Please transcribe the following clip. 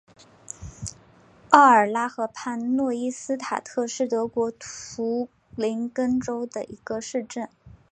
奥尔拉河畔诺伊斯塔特是德国图林根州的一个市镇。